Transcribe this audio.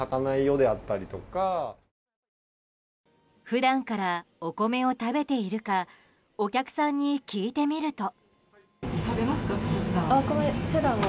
普段からお米を食べているかお客さんに聞いてみると。